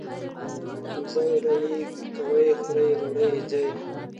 همزه واله ئ کوئ خورئ راوړئ ځئ